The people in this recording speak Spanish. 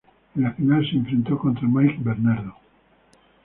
En la final, se enfrentó contra Mike Bernardo.